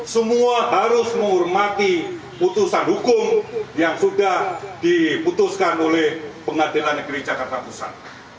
semua harus menghormati putusan hukum yang sudah diputuskan oleh pengadilan negeri jakarta pusat